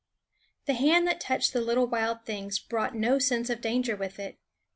The hand that touched the little wild things brought no sense of danger with it.